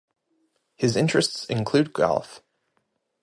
His interests include golf.